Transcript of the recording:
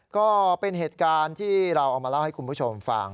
ก็เป็นเหตุการณ์ที่เราเอามาเล่าให้คุณผู้ชมฟัง